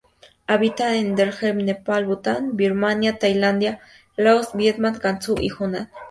Habita en Darjeeling, Nepal, Bután, Birmania, Tailandia, Laos, Vietnam, Gansu y Hunan.